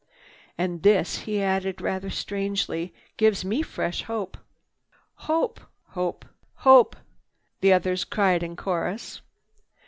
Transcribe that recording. And this," he added rather strangely, "gives me fresh hope." "Hope! Hope! Hope!" the others cried in chorus.